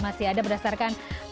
masih ada berdasarkan